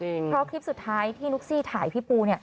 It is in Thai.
เพราะคลิปสุดท้ายที่นุ๊กซี่ถ่ายพี่ปู